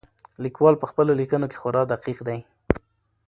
لیکوال په خپلو لیکنو کې خورا دقیق دی.